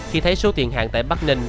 khi thấy số tiền hàng tại bắc ninh